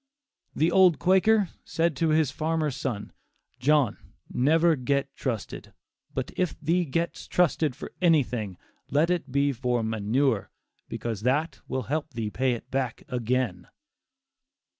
The old Quaker said to his farmer son, "John, never get trusted; but if thee gets trusted for anything, let it be for 'manure,' because that will help thee pay it back again."